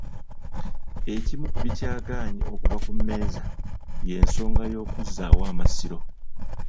Ekimu ku bikyagaanye okuva ku mmeeza y'ensonga y'okuzzaawo Amasiro.